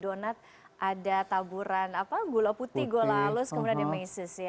donat ada taburan gula putih gula halus kemudian ada meses ya